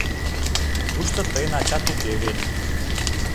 Тушто тыйын ачат уке вет.